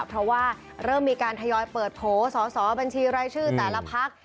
เพราะว่าเริ่มมีการทยอยเปิดโผล่สอสอบัญชีรายชื่อแต่ละพัก